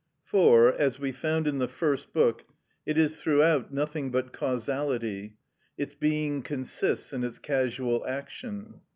For, as we found in the first book, it is throughout nothing but causality: its being consists in its casual action.